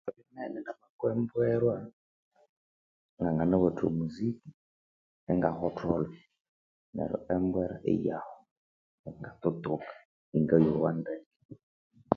Ngabya ngamakwa embwera nanganawatha omuziki ingahotholha neryo embwera iyahwa ingathuthuka ingayowandeke